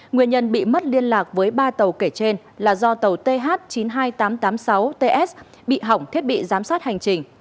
nguyên nhân bị mất liên lạc với ba tàu kể trên là do tàu th chín mươi hai nghìn tám trăm tám mươi sáu ts bị hỏng thiết bị giám sát hành trình